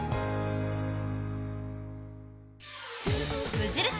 ⁉無印